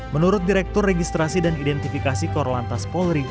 menurut direktur registrasi dan identifikasi korlantas polri